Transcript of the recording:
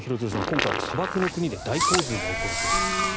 今回は砂漠の国で大洪水が起こるということです。